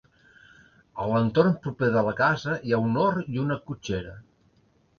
A l'entorn proper de la casa hi ha un hort i una cotxera.